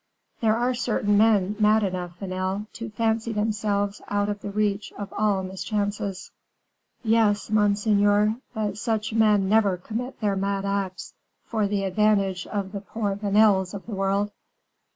"There are certain men mad enough, Vanel, to fancy themselves out of the reach of all mischances." "Yes, monseigneur; but such men never commit their mad acts for the advantage of the poor Vanels of the world."